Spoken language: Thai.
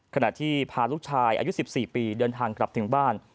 ขณะที่พาลูกชายอายุ๑๔ปีเดินทางกลับถึงบ้าน